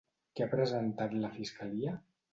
Què ha presentat la fiscalia?